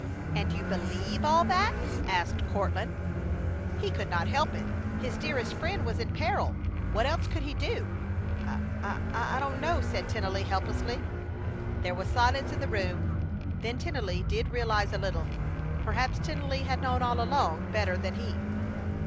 "And you believe all that?" asked Courtland. He could not help it. His dearest friend was in peril. What else could he do? "I don't know!" said Tennelly, helplessly. There was silence in the room. Then Tennelly did realize a little! Perhaps Tennelly had known all along, better than he!